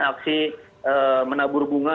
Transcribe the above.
aksi menabur bunga